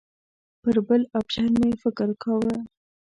پر بل اپشن مې فکر کاوه.